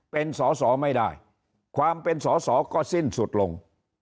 เป็นสอสอไม่ได้ความเป็นสอสอก็สิ้นสุดลง